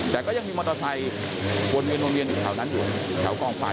แต่ก็ยังมีมอเตอร์ไซต์วนเวียนขาวนั้นอยู่ขาวกล้องไฟ